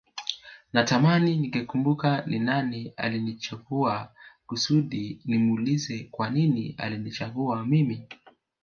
Natamani ningekumbuka ni nani alinichagua kusudi nimuulize kwa nini alinichagua mimi